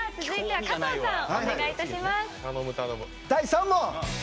第３問。